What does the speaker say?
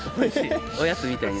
おやつみたいに。